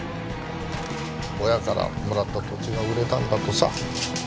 親からもらった土地が売れたんだとさ。